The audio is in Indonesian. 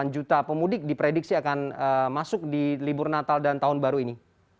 delapan juta pemudik diprediksi akan masuk di libur natal dan tahun baru ini